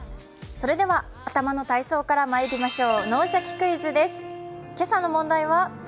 それでは、頭の体操からまいりましょう。